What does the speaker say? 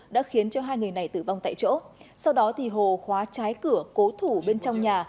đã khiến hai người này tử vong tại chỗ sau đó hồ khóa trái cửa cố thủ bên trong nhà